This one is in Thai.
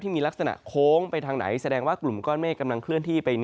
มีลักษณะโค้งไปทางไหนแสดงว่ากลุ่มก้อนเมฆกำลังเคลื่อนที่ไป